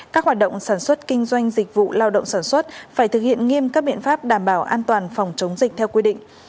các hoạt động sản xuất kinh doanh dịch vụ lao động sản xuất phải thực hiện nghiêm các biện pháp đảm bảo an toàn phòng chống dịch theo quy định